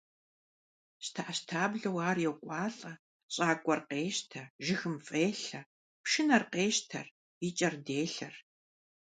ЩтэӀэщтаблэу ар йокӀуалӀэ, щӀакӀуэр къещтэ, жыгым фӀелъэ, пшынэр къещтэр, и кӀэр делъэр.